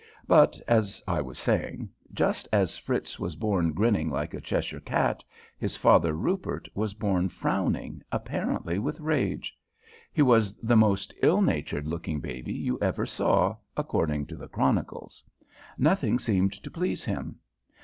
But, as I was saying, just as Fritz was born grinning like a Cheshire cat, his father Rupert was born frowning apparently with rage. He was the most ill natured looking baby you ever saw, according to the chronicles. Nothing seemed to please him.